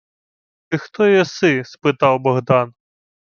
— Ти хто єси? — спитав Богдан.